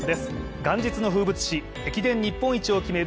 元日の風物詩、駅伝日本一を決める